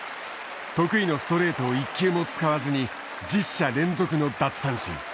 得意のストレートを一球も使わずに１０者連続の奪三振。